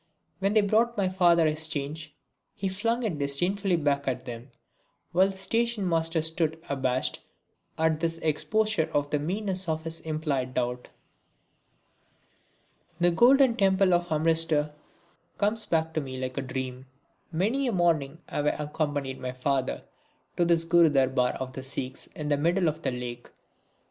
When they brought my father his change he flung it disdainfully back at them, while the station master stood abashed at this exposure of the meanness of his implied doubt. The golden temple of Amritsar comes back to me like a dream. Many a morning have I accompanied my father to this Gurudarbar of the Sikhs in the middle of the lake.